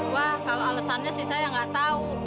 wah kalau alasannya sih saya nggak tahu